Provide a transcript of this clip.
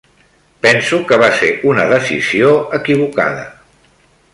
Penso que va ser una decisió equivocada.